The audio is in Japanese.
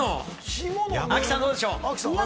亜希さん、どうでしょう？